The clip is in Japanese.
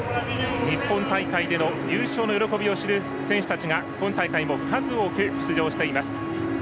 日本大会での優勝の喜びを知る選手たちが今大会も数多く出場しています。